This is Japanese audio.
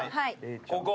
ここ。